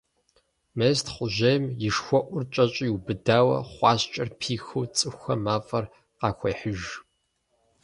Мес Тхъуэжьейм и шхуэӀур кӀэщӀу иубыдауэ, хъуаскӀэр пихыу, цӀыхухэм мафӀэр къахуехьыж.